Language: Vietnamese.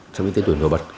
trong những tế tuyển hồi bật